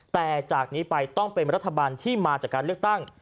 แต่จากนี้ไปต้องเป็นรัฐบาลที่มาจากการเลือกตั้ง